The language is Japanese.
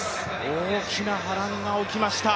大きな波乱が起きました。